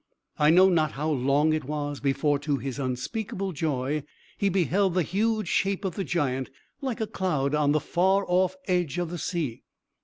I know not how long it was before, to his unspeakable joy, he beheld the huge shape of the giant, like a cloud, on the far off edge of the sea.